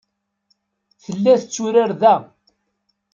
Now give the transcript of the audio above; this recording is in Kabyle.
Tella tetturar da.